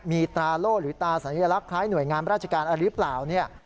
มีตราโล่หรือตาสัญลักษณ์คล้ายหน่วยงานราชการอะไรหรือเปล่าเนี่ย